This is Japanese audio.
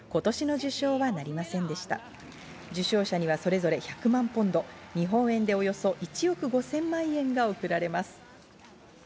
受賞者にはそれぞれ１００万ポンド、日本円でおよそ１億５０００万円がおくられます。